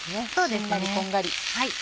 しんなりこんがり。